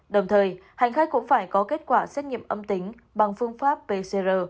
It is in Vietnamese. đồng thời hành khách cũng phải có kết quả xét nghiệm âm tính bằng phương pháp pcr